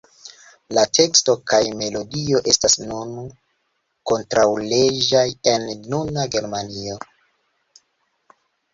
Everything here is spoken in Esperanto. La teksto kaj melodio estas nun kontraŭleĝaj en nuna Germanio.